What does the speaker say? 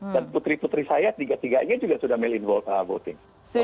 dan putri putri saya tiga tiganya juga sudah mail in voting